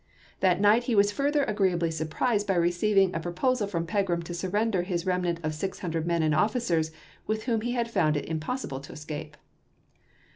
That night he was further agreeably surprised by receiving a pro posal from Pegi'am to surrender his remnant of six hundred men and officers with whom he had found it impossible to escape.